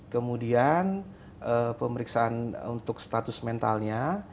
kemudian pemeriksaan untuk status mentalnya